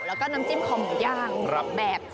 แล้วก็น้ำจิ้มคอหมูย่างแบบ